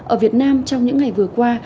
ở việt nam trong những ngày vừa qua